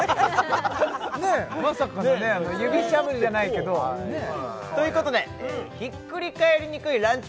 ねえまさかのね指しゃぶりじゃないけどということでひっくり返りにくいランチ